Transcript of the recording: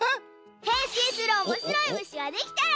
へんしんするおもしろいむしができたら。